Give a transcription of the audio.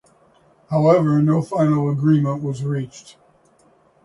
However no final agreement was reached.